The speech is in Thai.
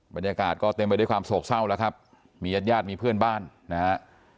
บรรยากาศก็เต็มไปด้วยความโศกเศร้าแล้วครับมีญาติญาติมีเพื่อนบ้านนะฮะ